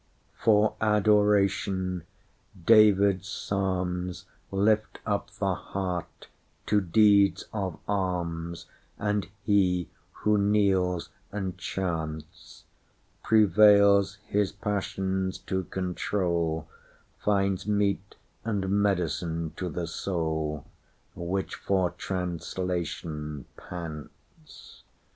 For Adoration, David's Psalms, Lift up the heart to deeds of alms; And he, who kneels and chants, Prevails his passions to control, Finds meat and medicine to the soul, Which for translation pants.